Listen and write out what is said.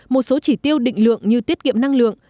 một số chỉ tiêu định lượng như tiết kiệm năng lượng